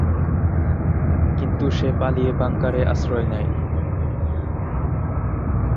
কিন্তু সে পালিয়ে বাংকারে আশ্রয় নেয়।